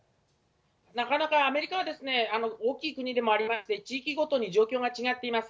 なかなかアメリカは、大きい国でもありまして、地域ごとに状況が違っています。